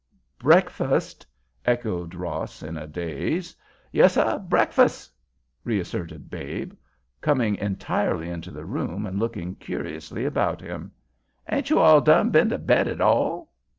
"Breakfast!" echoed Ross, in a daze. "Yessuh, breakfus'," reasserted Babe, coming entirely into the room and looking curiously about him. "Ain't you all done been to bed at all?"